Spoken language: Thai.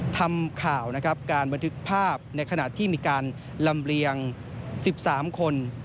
ทำข่าวนะครับการบันทึกภาพในขณะที่มีการลำเลียง๑๓คน